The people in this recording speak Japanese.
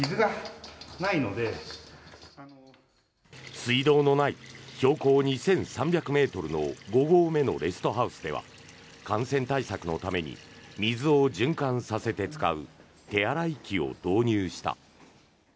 水道のない、標高２３００ｍの５合目のレストハウスでは感染対策のために水を循環させて使う手洗い器を導入した。